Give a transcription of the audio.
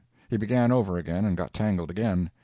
He began over again, and got tangled again.